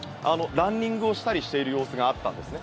ランニングをしたりしている様子があったんですね。